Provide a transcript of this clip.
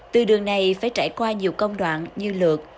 từ đường này phải trải qua nhiều công đoạn như lượt